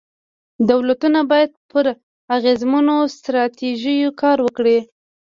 دولتونه باید پر اغېزمنو ستراتیژیو کار وکړي.